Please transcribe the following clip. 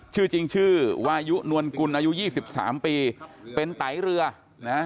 ชื่อจริงชื่อวายุนวลกุลอายุยี่สิบสามปีเป็นไตเรือนะ